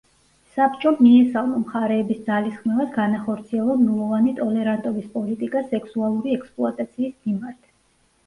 საბჭომ მიესალმა მხარეების ძალისხმევას, განახორციელონ ნულოვანი ტოლერანტობის პოლიტიკა სექსუალური ექსპლუატაციის მიმართ.